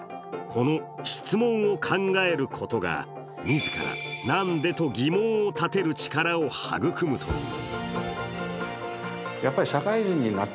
この質問を考えることが自ら、なんで？と疑問を立てる力を育むという。